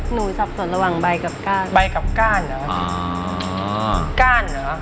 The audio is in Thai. สับสนระหว่างใบกับก้านใบกับก้านเหรออ่าก้านเหรอ